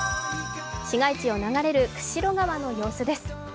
市街地を流れる釧路川の様子です。